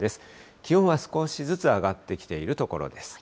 気温は少しずつ上がってきているところです。